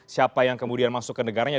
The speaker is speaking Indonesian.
siapa yang kemudian masuk ke negaranya